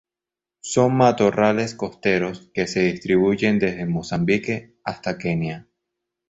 Son matorrales costeros que se distribuyen desde Mozambique hasta Kenia.